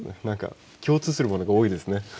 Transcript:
何か共通するものが多いですね。